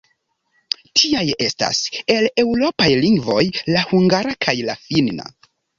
Tiaj estas, el eŭropaj lingvoj, la hungara kaj la finna.